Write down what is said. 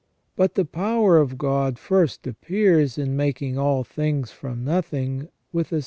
But the power of God first appears in making all things from nothing with a certain • S.